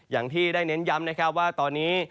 อย่างที่ได้เน้นย้ำนะครับว่าตอนนี้